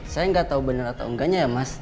saya nggak tahu benar atau enggaknya ya mas